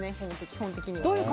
基本的には。